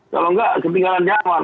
kalau enggak ketinggalan zaman